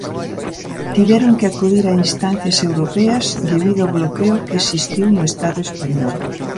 Tiveron que acudir a instancias europeas debido ao bloqueo que existiu no Estado español.